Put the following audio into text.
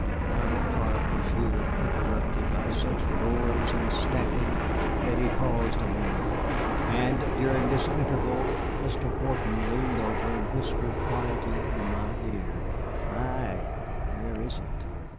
Colonel Clark was here interrupted by such roars and stamping that he paused a moment, and during this interval Mr. Wharton leaned over and whispered quietly in my ear: "Ay, where is it?"